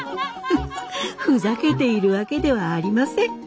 フフフふざけているわけではありません。